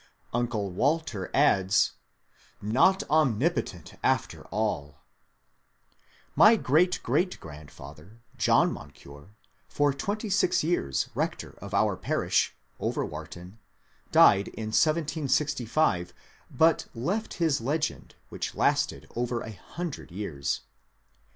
Uncle Walter adds :*^ Not omnipotent after all I " My great great g^randfather, John Moncure, for twenty six years rector of our parish (Overwharton), died in 1765, but left his legend which lasted over a hundred years.